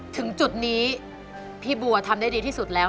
ถึงจุดนี้พี่บัวทำได้ดีที่สุดแล้ว